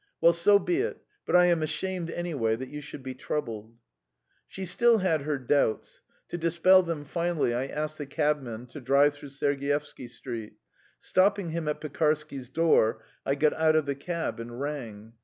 Well, so be it. But I am ashamed, anyway, that you should be troubled." She still had her doubts. To dispel them finally, I asked the cabman to drive through Sergievsky Street; stopping him at Pekarsky's door, I got out of the cab and rang.